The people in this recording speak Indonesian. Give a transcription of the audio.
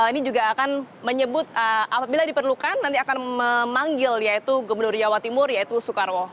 ini juga akan menyebut apabila diperlukan nanti akan memanggil yaitu gubernur jawa timur yaitu soekarwo